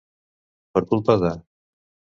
Per culpa de.